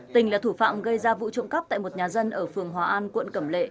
tình là thủ phạm gây ra vụ trộm cắp tại một nhà dân ở phường hòa an quận cẩm lệ